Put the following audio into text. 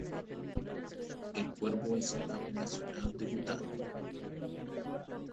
El cuervo es el ave nacional de Bután.